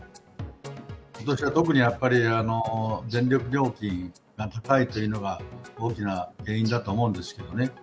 ことしは特にやっぱり電力料金が高いというのが大きな原因だと思うんですけどね。